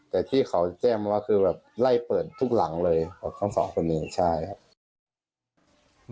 แต่ที่เขาแจ้งมาว่าคือแบบไล่เปิดทุกหลังเลยของทั้งสองคนเองใช่ครับ